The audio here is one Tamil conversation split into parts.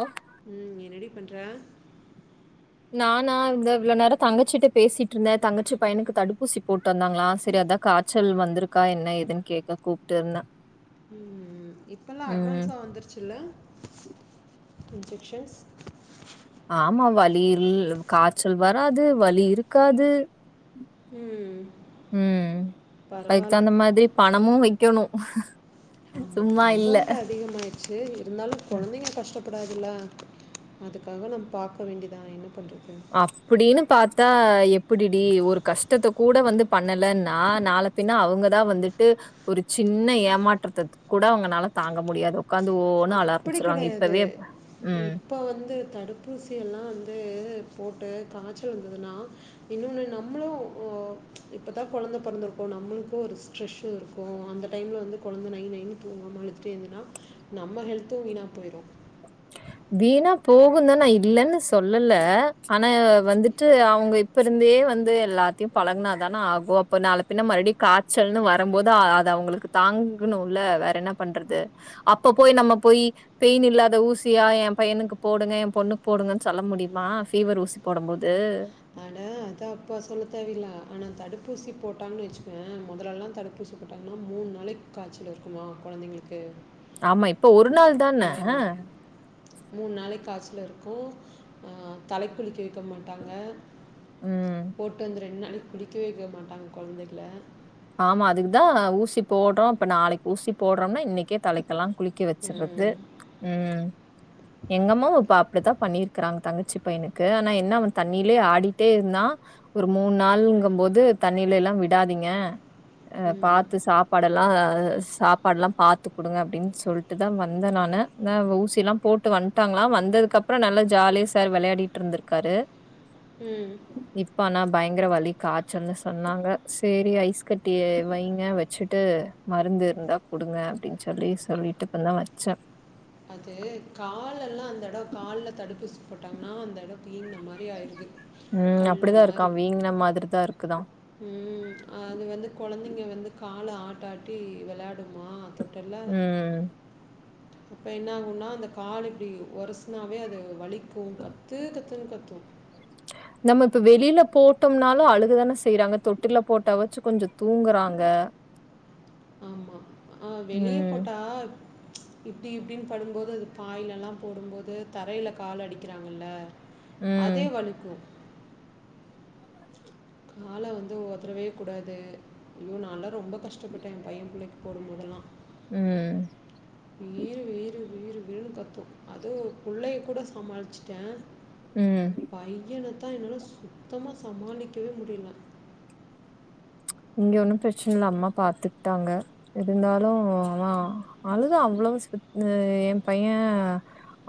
ஆ ம் என்னடி பண்ற நானா இந்த இவ்ளோ நேரோ தங்கச்சிட்ட பேசிட்ருந்த தங்கச்சி பையனுக்கு தடுப்பூசி போட்டு வந்தாங்ளா செரி அதா காய்ச்சல் வந்துருக்கா என்ன ஏதுனு கேக்க கூப்ட்ருந்ன ம் ம் இப்பல்லா அட்வான்ஸா வந்துருச்சுல்ல இன்ஜெக்ஷன்ஸ் ஆமா வலில் காய்ச்சல் வராது வலி இருக்காது உம் ம் ம் அதுக்கு பரவாயில்ல தகுந்த மாதிரி பணமு வக்கணு ஆமா அமௌண்ட் அதிகமாயிடுச்சு இருந்தாலு குழந்தைங்க கஷ்டப்படாதுலா அதுக்காக நம் பாக்க வேண்டிதா என்ன பண்றது அப்டின்னு பாத்தா எப்டி டி ஒரு கஷ்டத்த கூட வந்து பண்ணலன்னா நாள பின்னா அவங்கதா வந்துட்டு ஒரு சின்ன ஏமாற்றத்த கூட அவங்கனால தாங்க முடியாது உக்காந்து ஓன்னு அழ ஆரம்பிச்சிருவாங்க இப்பவே ம் இப்போ வந்து தடுப்பூசி எல்லா வந்து போட்டு காய்ச்சல் வந்ததுன்னா இன்னோனு நம்ளு ஒ ஒ இப்பதா கொழந்த பொறந்துருக்கு நம்மளுக்கு ஒரு சு ஸ்ட்ரெஸ்ஸு இருக்கு அந்த டைமில வந்து குழந்த நை நைனு துங்காம அழுத்துட்டே இருந்தனா நம்ம ஹெல்த்து வீணா போயிரு வீணா போகுதான நா இல்லன்னு சொல்லல ஆனா வந்துட்டு அவங்கத் இப்ப இருந்தே வந்து எல்லாத்தையு பழகுனா தான ஆகு அப்போ நாள பின்ன மறுடி காய்ச்சல்னு வரபோது அது அவங்களுக்கு தாங்கணுல வேற என்ன பண்றது அப்ப போய் நம்ம போய் பெயின் இல்லாத ஊசி தியா என் பையனுக்கு போடுங்க என் பொண்ணுக்கு போடுங்கன்னு சொல்ல முடியுமா ஃபீவர் ஊசி போடும் போது ஆட அதா அப்பா சொல்ல தேவ இல்ல அ ஆனா தடுப்பூசி போடாங்குனு வச்சிகோய முதலெல்லா தடுப்பூ பு ஊசி போட்டாங்னா மூணு நாளைக்கு காய்ச்சில் இருக்குமா கொழந்தைங்களுக்கு ஆமா இப்ப ஒரு நாள் தான மூன் நாளைக்கு காய்ச்சல் இருக்கு ஆ தலைக்குளிக்க வெ க்க மாட்டாங்க ம். போட்டு வந்து ரெண்டு நாள் குளிக்கவே வெக்க மாட்டாங்க கொழந்தைகள ஆமா அதுக்குதா ஊசி போடுறோ இப்ப நாளைக்கு ஊசி போடுறோம்னா இன்னக்கே தலைக்கெலா குளிக்க வச்சிறது ம் ம் எங்கம்மாவு இப்ப பாப் அப்டித்தா பண்ணிருக்றாங்க தங்கச்சி பையனுக்கு ஆனா என்ன அவ தண்ணிலே ஆடிட்டே இருந்னா ஒரு மூன் நாள்ங்க போது தண்ணிலலா விடாதீங்க அ ம் பாத்து சாப் பாடெல்லா சாப்பாடுலா பாத்து குடுங்க அப்டின் சொல்ட்டு தா வந்த நானு நா அவுங்க ஊசிலா போட்டு வந்ட்டாங்ளா வந்ததுக்கப்றோ நல்லா ஜாலியா சர் வெழையாடிட்ருந்துக்காரு உம் இப்ப ஆனா பயங்கர வலி காய்ல்ன்னு சொன்னாங்க சேரி ஐஸ் கட் டி வைங்க வச்சுட்டு மருந்து இருந்தா குடுங்க அப்படின் சொல்லி சொல்லிட்டு இப்ப தான் வச்சேன் அது கால்ல எல்லாம் அந்த எடம் கால்ல தடுப்புசி போட்டாங்கன்னா அந்த எடம் வீங்க மார் உம் அப்படிதான் இருக்கான் வீங்குன மாதிரி தான் இருக்குதாம் உம் அது வந்து கொழந்தைங்க வந்து கால ஆட்டாட்டி வெளாடுமா டர்ல ம். அப்ப என்னாகும்னா அந்த காலு இப்டி ஒரசுனாவே அது வலிக்கும் கத்து கத்துனு கத்தும் நம்ம இப்ப வெளியில போட்டோம்னாலும் அழுகதான செய்யறாங்க தொட்டில போட்ட வாச்சு கொஞ்ஜோ தூங்குறாங்க ஆமாம் ஆ வெளிய ம். போட்டா இப்டி இப்டின்னு படும்போது அது பாய்லலெல்லாம் போடும்போது தரையில கால் அடிக்கிறாங்கள்ல ம். அதே வலிக்கும் [inaudible] கால வந்து ஒத்ரவே கூடாது ஐயோ நான்ல்லாம் ரொம்ப கஷ்டப்பட்டேன் என் பையன் பிள்ளைக்கு போடும் போதெல்லாம் உம் வீது வீறு வீறு வீறுன்னு கத்தும் அது புள்ளைய கூட சமாளிச்சிட்டேன் உம் பையன தான் என்னால சுத்தமா சமாளிக்கவே முடியல இங்க ஒன்னும் பிரச்சன இல்ல அம்மா பாத்துட்டாங்க இருந்தாலும் ஆமா அழுது அவ்வளவு என் பையன்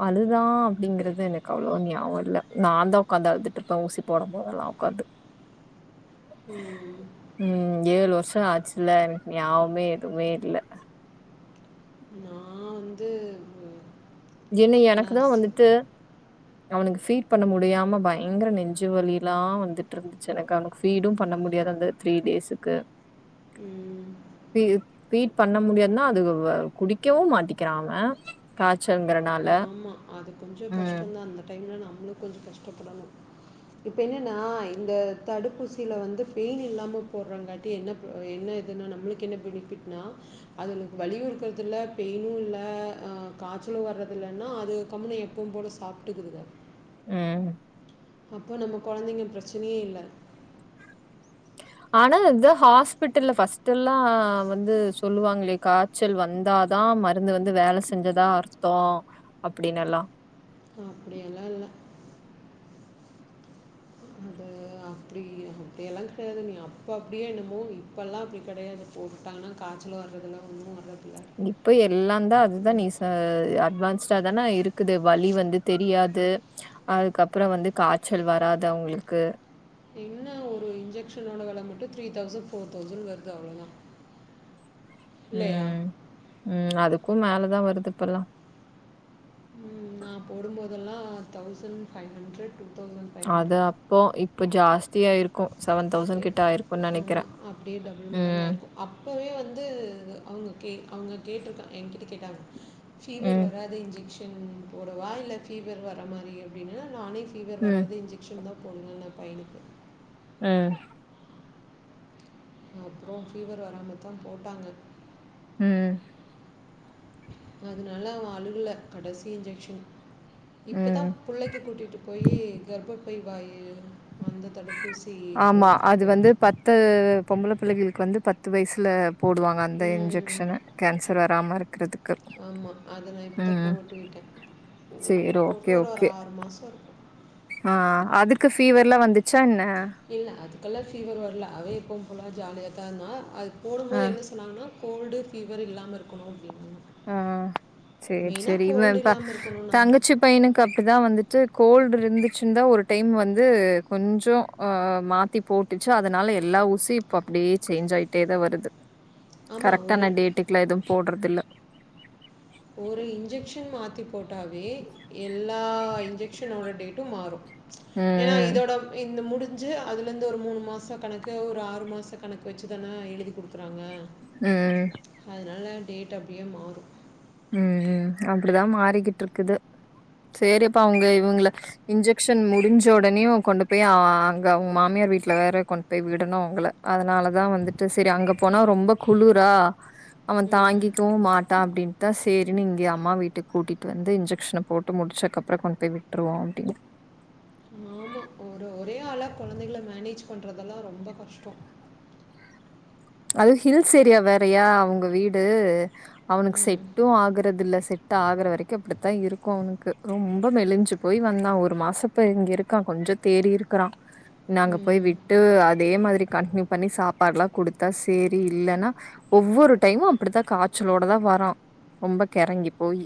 அதுதான் அப்படிங்கறது எனக்கு அவ்வளவா ஞாபகம் இல்ல நான் தான் உக்காந்து அழுதுட்டுருப்பேன் ஊசி போடும் போதெல்லாம் உக்காது உம் உம் ஏழு வருஷம் ஆச்சுல்ல எனக்கு ஞாவ்மே எதுவுமே இல்ல நா வந்து என்ன ஆனா எனக்கு தான் ஸ் வந்துட்டு அவனுக்கு ஃபீட் பண்ண முடியாம பயங்கர நெஞ்சு வழி லாம் வந்துட்டுருந்து ச்சி எனக்கு அவனுக்கு ஃபீடும் பண்ண முடியாது அந்த த்ரீ டேசுக்கு ம். ஃபீட் பண்ண முடியாதுன்னா அது குடிக்கவும் மாட்டிக்கிறா அவன் காய்சங்கிரனா ஆமா அது கொஞ்ஜோ கஷ்டம்தான் அந்த டைம்ல நம்மளும் கொஞ்ச கஷ்டப்படணும் இப்ப என்னன்னா இந்த தடுப்பூசியில வந்து பெயினு இல்லாம போட்றாங்க தி என்ன என்னதுனா நம்மளுக்கு என்ன பெனிபிட்னா அதுல வலியும் இருக்கறது இல்ல பெயினும் இல்ல காய்ச்சலும் வறது துல்லனா அது கம்முன்னு எப்போவும் போல சாப்ட்டுக்குறது ம் அப்போ நம்ம கொழந்தைங்க பிரச்சனயே இல்ல ஆனா இத ஹாஸ்பிட்டல்ல ஃபஸ்ட் எல்லாம் வந்து சொல்லுவாங்களேக்கா ச்சல் வந்தாதான் மருந்து வந்து வேல செஞ்சதா அர்த்தம் அப்படினு எல்லாம் அப்படியெல்லாம் இல்ல அது அப்படி அப்படியெல்லாம் கடை அப்போ அப்டி என்னமோ இப்பல்லாம் அப்டி கடையாது போட்டுட்டாங்கன்னா காய்ச்சல் வரதில்ல ஒன்னும் வர்றதில்ல இப்ப எல்லாம் தான் அதுதான் நீ சா அட்வான்ஸ்டா தான இருக்குது வலி வந்து தெரியாது அதுக்கப்பற வந்து காச்சல் வராதுவ்ங்ளுக்கு இன்ன ஒரு இன்ஜெக்ஷனோட வெல மட்டு த்ரீ தௌசண் ஃபோர் தௌசண் வர்து அவ்ளோதா ம் ம் அதுக்கு மேலதா வருது இப்பல்லா ம் நா போடும்போதெல்லா thousand five hundred two thousand அது அப்போ இப்ப ஜாஸ்தியா இருக்கு சவன் தௌஜண் அப்படியே கிட்ட ஆய்ருக்கு நெனக்கிறே ஆமாம் அப்படியே டபுள் மடங்கு உம் ஆயிருக்கும் அப்போவே வந்து அவ்ங்க கே அவ்ங்க கேட்ருக்கா என்கிட்ட கேட்டாங் ஃபீவர் ம். வராதே இன்ஜெக்ஷன் போடுவா இல்ல ஃபீவர் வர மாரி அப்டின்னு நானேஸ் ஃபீவர் ம். வராத இன்ஜெக்ஷன் தா போட்னு ந பைய்னுக்கு ம் ஆ அப்றோ ஃபீவர் வராமதா போட்டாங்க ம் அதுனால அவன் அழுல கடசி இன்ஜெக்ஷன் இப்புத்தா ம். புள்ளைக்கு கூட்டிட்டு போயி கர்ப்பப்பை வாய்யே வந்து தடுப்பூஸ் ஆமா அது வந்து பத்து பொம்பள பிள்ளைகள்க்கு வந்து பத்து வய்சுல போடுவாங்க அந்த ம் இன்ஜெக்ஷனு கேன்சர் வராம இருக்றத்துக்கு ஆமா அத நா இப்புத்தா போட்டு விட்டே ஒஓஓ சரி. போட்டு ஓகே, ஒரு ஓகே. ஆறு மாசோரு ஆ அதுக்கு ஃபீவர்லா வந்துச்சா ன்ன இல்ல அதுக்கல்லா ஃபீவர் வர்ல அவே எப்ப போலா ஜாலியாத்தானா அது போடும் அ. போது என்னஸ் சொன்னாங்னா கோல்டு ஃபீவர் இல்லாம இருக்கணு அப்டின்னாங்க ஆ ச்சேர் ச்செரி இவன் ப இல்லாமல் இருக்கணும் நாங்கள் தங்கச்சிப் பையனுக்கு அப்பிதா வந்துட்டு கோல்டு இருந்துச்சுன்தா ஒரு டைம் வந்து கொஞ்சோ ஆ மாத்தி போட்டுச்சு அதனால எல்லா ஊசி பப்டே சேஞ்ச் ஆய்ட்டே தா வருது ஆமாம் ஒரு கரக்டான டேட்டுக்குல எதும் போட்றதில்ல ஓரு இன்ஜெக்ஷன் மாத்திப் போட்டாவே எல்லா இன்ஜெக்ஷனோட டேட்டு மாறு ஏன்னா ம் இதோடம் இந்த முடிஞ்சு அதுலந்து ஒரு மூணு மாச கணக்கு ஒரு ஆறு மாச கணக்கு வச்சிதான எழுதி குடுக்குறாங்க ம் அதுனால டேட் அப்டியே மாறு ம்ம் அப்படிதா மாறிக்கிட்ருக்குது சேரேப்பா அவங்க இவ்ங்கள இன்ஜெக்ஷன் முடிஞ்ச உடனேுவ் கொண்டு போய் அஆ அங்க அவ் மாமியார் வீட்ல வேற கொண் போய் விடணு அவ்ங்கள அதனாலதா வந்துட்டு சரி அங்க போனா ரொம்ப குளுரா அவன் ம் தாங்கிக்கவு மாட்டா அப்டின் த்தா சேரின்னு இங்யே அம்மா வீட்டுக் கூட்டிட்டு வந்து இன்ஜெக்ஷன போட்டு முடிச்சக்கப்ற கொண்போய் விட்ருவோ அப்டின்னு ஆமா ஒரு ஒரே ஆளா குழந்தைகள மேனேஜ் பண்றதெல்லா ரொம்ப கஷ்டோ அது ஹில்ஸ் ஸேரியா வேறையா அவ்ங்க வீடு அவ்னுக் ம் செட்டு ஆகுறதில்ல செட் டாகுற வரைக்கு அப்டித்தா இருக்கு அவ்னுக்கு ரொம்ப மெலிஞ்சு போய் வந்தா ஒரு மாசப்ப இங்க இருக்கா கொஞ்சத் தேறிர்க்கறா நாங்க போய் ம் விட்டு அதே மாரி கண்டின்யூ பண்ணி சாப்பாட்லா குடுத் த்தா சேரி இல்லன்னா ஒவ்வொரு டைமு அப்படித்தா காச்சலோட தா வரா ரொம்ப கெறங்கி போயி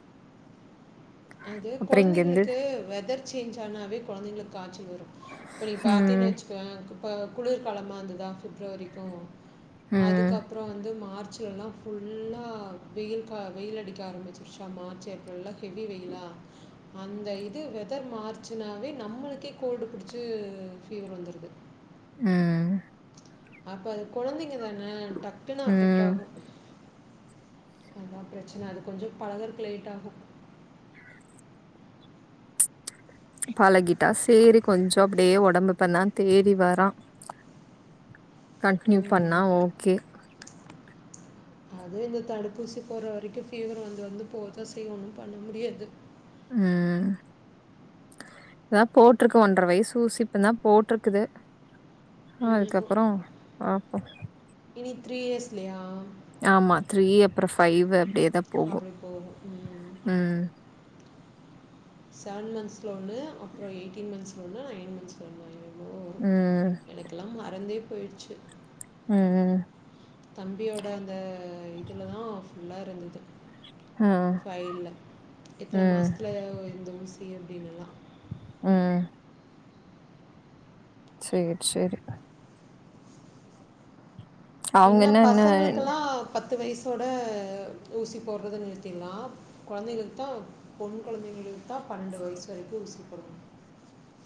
அது அப்றோ இங்கேருந்து கொழந்தைங்ளுக்கு வெதர் சேஞ்ச் ஆனாவே கொழந்தைங்களுக் காச்சல் வரு இப்ப நீ ம் பாத்தீன்னு வச்சுக்கோ ஏ குப்ப குளிர்காலமா இந்துதா ஃபிப்ரவரிக்கு ம் அதுக்கப்றோ வந்து மார்ச்சுவல்லா ஃபுல்லா வெயில் கா வெயில் அடிக்க ஆரம்பிச்சிருச்சாமா ச்செப்ரெல்லா ஹெவி வெயிலா ஆ அந்த இது வெதர் மாறுச்சுனாவே நம்மளுக்கே கோல்டு பிடிச்சு பீவர் வந்துருது ஆ அப்ப அது கொழந்தைங்க தான டக்குன்னு அஃபெக்ட் ம் ஆகு அதா பிரச்சனை அது கொஞ்சோ பழகுறக்கு லேட் ஆகு பழகிட்டா சேரி கொஞ்சோ அப்டியே ஒடம்பு இப்பந்தா தேறி வர்றா கன்ட்னியூ ம். பண்ணா ஓகே அது இந்த தடுப்பூசி போட்ற வரைக்கு ஃபீவர் வந்து வந்து போகதா செய்யு ஒண்ணு பண்ண முடியாது ம் இதா போட்ருக்கு ஒன்ற வயசு ஊசி இப்ப தா போட்ருக்குது அதுக்கப்பறோ பாப்போ இனி த்ரீ இயர்ஸ்லயா ஆமா த்ரீ அப்றோ ஃபைவ் அப்டியேதா அப்டி போகு ம் ம் செவன் மந்த்ஸ்ல ஒன்னு அப்பறோ எயிட்டீன் மந்த்ஸ்ல ஒன்னு நைன் மந்த்ஸ்ல ஒன்னு ஓ ம் எனக்கெல்லா மறந்தே போயிடுச்சு ம் தம்பியோட அந்த இதுலதா ஃபுல்லா இருந்தது ம் ஃபைல்ல இத்தன ம் மாசத்துல இந்த ஊசி அப்டின்னு எல்லா ம் சேரி சேரி என்ன பசங்களுக்கெல்லா பத்து வயசோட ஊசி போடுறத நிறுத்திறலா கொழந்தைகளுக்குதா பொண் கொழந்தைகளுக்குதா பன்னெண்டு வயசு வரைக்கு ஊசி போடணு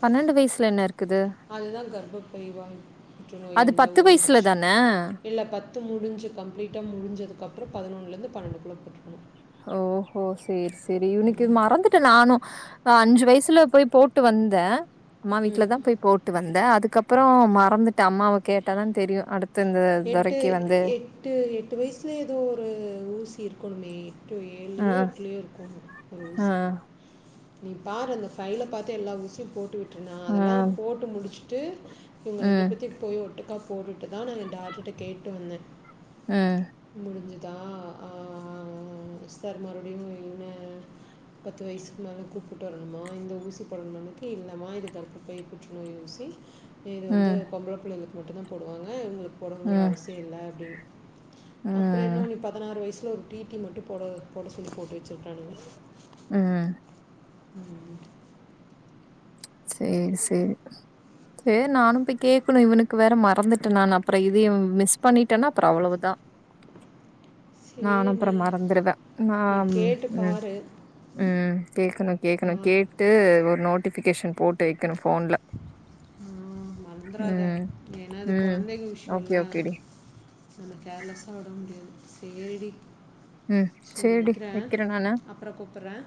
பன்னெண்டு வயசுல என்ன இருக்குது அதுதா கர்ப்பப்பைவாய் புற்றுநோய் அது அந்த வயசுல இன்ஜெக்ஷன் தான? இல்ல பத் து முடிஞ்சி கம்ப்ளீட்டா முடிஞ்சதுக்கப்பறோ பதினொன்லருந்து பன்னெண்டுகுள்ள போட்டுக்கணு ஓஹோ சேரி சேரி இவனுக்கு மறந்துட்டே நானு அஞ்சு வயசுல போய் போட்டு வந்தே அம்மா வீட்லதா போய் போட்டு வந்தே அதுக்கப்பறோ மறந்துட்டே அம்மாவ கேட்டாதா தெரியு அடுத் து இந்த எட்டு துறைக்கி வந்து எட்டு எட்டு வயசுல ஏதோ ஒரு ஊசி இருக்கணுமே டூ அ, ஏழுலயோ எட்லயோ இருக்கு ஒரு அ, ஊசி நீ பாரு அந்த ஃபைல்ல பாத்து எல்லாஊசியு போட்டுவிடு நா அ, அதெல்லா ம், போட்டு முடிச்சுட்டு இவங்க ரெண்டு ம், பேத்தயு போய் ஒட்டுக்கா போட்டுட்டுதா நா டாக்டர்டா கேட்டு வந்தே ம் முடிஞ்சுதா ஆ சார் மறுபடியு என்ன பத்து வயசு முன்னால கூப்புட்டு வரணுமா இந்த ஊசி போடணுமானதுக்கு இல்லம்மா இது கர்ப்பப்பை புற்றுநோய் ஊசி இது வந்து பொம்பள புள்ளைகளுக்கு மட்டுதா போடுவாங்க இவங்களுக்கு போடுனுங்கிற ம், அவசிய இல்ல அப்டீன்னு அப்பறென்ன ம், இவனுக்கு பதனாறு வயசுல ஒரு டி டி மட்டு போட போட சொல்லி போட்டு வச்சிருக்கானுங்க ம் ம் ம் சேரி சேரி சேர் நானும் போய் கேக்கணு இவனுக்கு வேற மறந்துட்டே நானு அப்பற இதயு மிஸ் பண்ணிட்டேன்னா அப்பற அவ்வளவுதா நானு சரி அப்பற நீ மறந்துருவே நா நீ ம் கேட்டு பாரு ம் கேக்கணு கேக்கணு பார்த்து கேட்டு ஒரு நோட்டிஃபிகேஷன் போட்டு வைக்கணு ஃபோன்ல ம் மறந்துராத ம், ஏன்னா இது ம். கொழந்தைங்க ஓகே, விஷ்யோல்ல ஓகேடி. நம்ம கேர்லஸ்ஸா விட முடியாது சேரிடி ம். சேரி சரிடி வெக்கிறே வைக்கிறேன் நானு. அப்ற கூப்புற்றே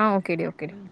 ஆ, ஓகேடி, ஓகேடி. ம்